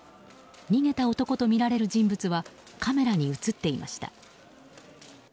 逃げた男とみられる人物はカメラに映っていました。